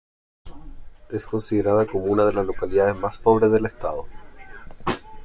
Es considerada como una de las localidades más pobres del estado.